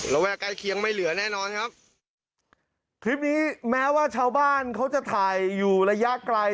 แวะใกล้เคียงไม่เหลือแน่นอนครับคลิปนี้แม้ว่าชาวบ้านเขาจะถ่ายอยู่ระยะไกล